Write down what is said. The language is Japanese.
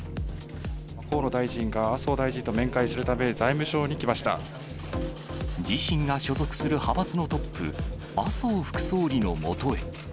河野大臣が麻生大臣と面会す自身が所属する派閥のトップ、麻生副総理のもとへ。